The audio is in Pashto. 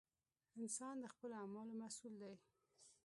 • انسان د خپلو اعمالو مسؤل دی.